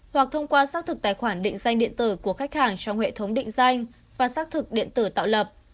hoặc thông qua xác thực tài khoản định danh điện tử của khách hàng trong hệ thống định danh và xác thực điện tử tạo lập